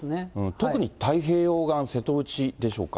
特に太平洋岸、瀬戸内でしょうか。